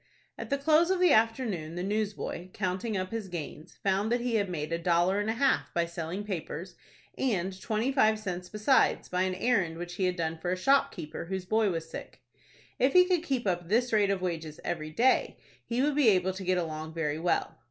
At the close of the afternoon the newsboy, counting up his gains, found that he had made a dollar and a half by selling papers, and twenty five cents besides, by an errand which he had done for a shopkeeper whose boy was sick. If he could keep up this rate of wages every day, he would be able to get along very well.